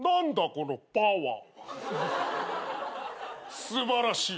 このパワーは。素晴らしい。